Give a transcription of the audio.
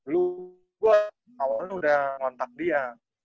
lu gue awalnya udah ngontak dia